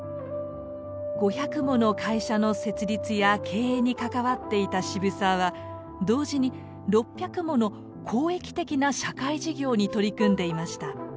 ５００もの会社の設立や経営に関わっていた渋沢は同時に６００もの公益的な社会事業に取り組んでいました。